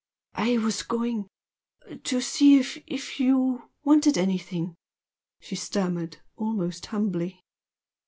"I was going to see if you if you wanted anything" she stammered, almost humbly.